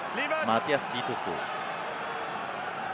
マティアス・ディトゥス。